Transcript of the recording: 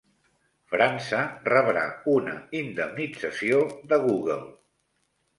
França rebrà una indemnització de Google